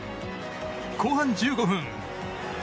後半１５分。